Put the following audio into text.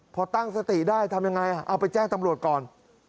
พอตั้งสติได้ทำยังไงเอาไปแจ้งตำรวจก่อน